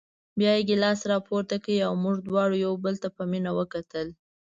بیا یې ګیلاس راپورته کړ او موږ دواړو یو بل ته په مینه وکتل.